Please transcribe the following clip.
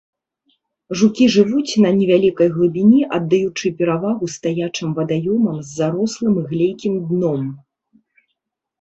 Жукі жывуць на невялікай глыбіні, аддаючы перавагу стаячым вадаёмам з зарослым і глейкім дном.